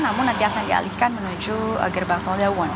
namun nanti akan dialihkan menuju gerbang tol lewon